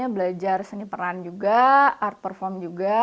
belajar seni peran juga art perform juga